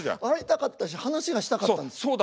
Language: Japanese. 会いたかったし話がしたかったんです。